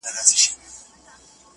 ځم د روح په هر رگ کي خندا کومه”